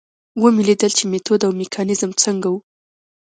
ومې لیدل چې میتود او میکانیزم څنګه و.